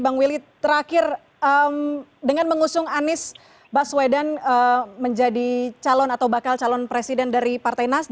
bang willy terakhir dengan mengusung anies paswedan menjadi calon atau bakal calon pks